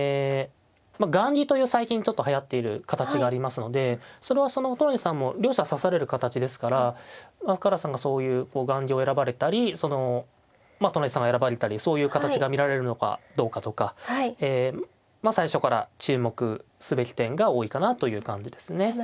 雁木という最近ちょっとはやっている形がありますのでそれは都成さんも両者指される形ですから深浦さんがそういう雁木を選ばれたりその都成さんが選ばれたりそういう形が見られるのかどうかとかまあ最初から注目すべき点が多いかなという感じですね。